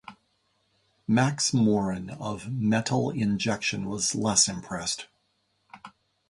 Max Morin of "Metal Injection" was less impressed.